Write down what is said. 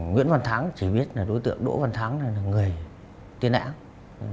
nguyễn văn thắng chỉ biết là đối tượng đỗ văn thắng là người tiên án